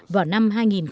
vào năm hai nghìn hai mươi